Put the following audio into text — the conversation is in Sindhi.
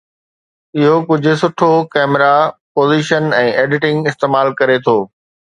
اهو ڪجهه سٺو ڪئميرا پوزيشن ۽ ايڊيٽنگ استعمال ڪري ٿو